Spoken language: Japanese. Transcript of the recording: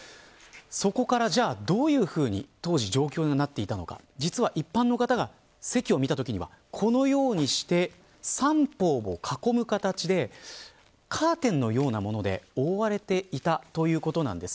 そこから、どういうふうに当時状況になっていたのか実は、一般の方が席を見たときこのようにして３方を囲むようにカーテンのようなもので覆われていたということなんです。